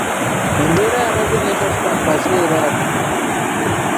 Embeera yamaze n'esasika mu kaseera ako.